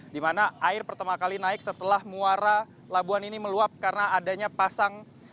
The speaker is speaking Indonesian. di mana air pertama kali naik setelah muara labuan ini meluap karena adanya pasang